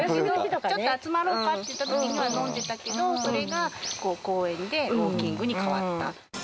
ちょっと集まろうかって言ってたときはそうだけど、それが公園でウォーキングに変わった。